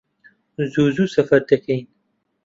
زوو زوو سەفەر دەکەین